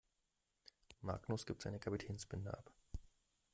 Magnus gibt seine Kapitänsbinde ab.